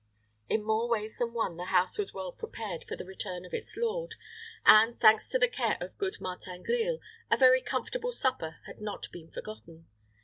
In more ways than one, the house was well prepared for the return of its lord, and, thanks to the care of good Martin Grille, a very comfortable supper had not been forgotten.